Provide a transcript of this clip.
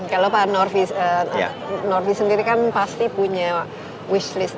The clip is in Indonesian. kalau pak norvi sendiri kan pasti punya wish list